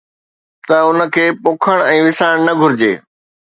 ته ان کي پوکڻ ۽ وسائڻ نه گهرجي